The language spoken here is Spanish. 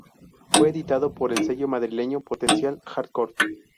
Fue editado por el sello madrileño Potencial Hardcore.